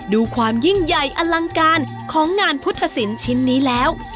ดูความยิ่งใหญ่อลังการของงานพุทธศิลป์ชิ้นนี้แล้ว